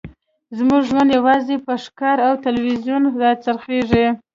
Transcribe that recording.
زموږ ژوند یوازې په ښکار او تلویزیون راڅرخیده